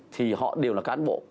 thì họ đều là cán bộ